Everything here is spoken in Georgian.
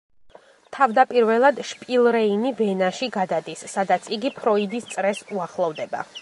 თავდაპირველად, შპილრეინი ვენაში გადადის, სადაც იგი ფროიდის წრეს უახლოვდება.